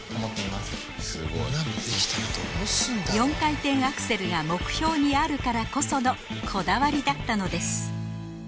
４回転アクセルが目標にあるからこそのこだわりだったのです